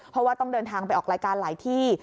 เพราะว่าต้องเดินทางไปออกรายการหลายที่